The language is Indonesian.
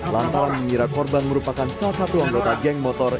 lantaran mengira korban merupakan salah satu anggota geng motor